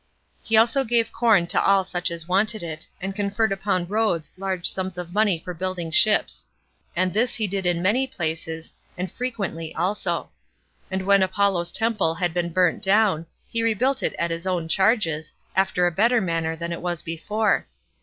He also gave corn to all such as wanted it, and conferred upon Rhodes large sums of money for building ships; and this he did in many places, and frequently also. And when Apollo's temple had been burnt down, he rebuilt it at his own charges, after a better manner than it was before.